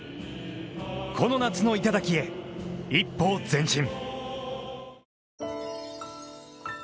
この夏の頂へ、一歩前進。